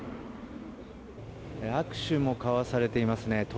握手も交わされていますね。